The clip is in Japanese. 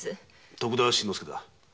徳田新之助だ。